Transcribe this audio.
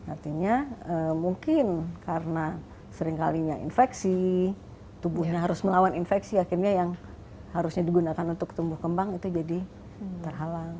artinya mungkin karena seringkalinya infeksi tubuhnya harus melawan infeksi akhirnya yang harusnya digunakan untuk tumbuh kembang itu jadi terhalang